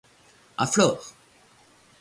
A Flore!